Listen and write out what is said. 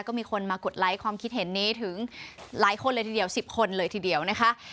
ก็มีคนมากดไลค์ความคิดเห็นนี้ถึงหลายคนเลยทีเดียว๑๐คนเลยทีเดียวนะคะ